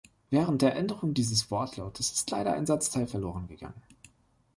Während der Änderung dieses Wortlautes ist leider ein Satzteil verloren gegangen.